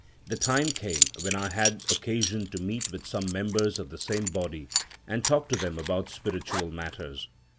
The time came when I had occasion to meet with some members of the same body and talk to them about spiritual matters.